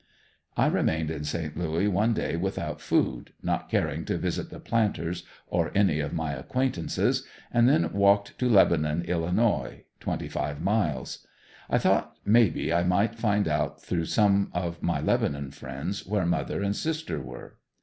I remained in Saint Louis one day without food not caring to visit the "Planters" or any of my acquaintances and then walked to Lebanon, Ill., twenty five miles. I thought may be I might find out through some of my Lebanon friends where mother and sister were.